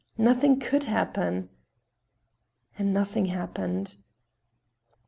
Nothing could happen. And nothing happened.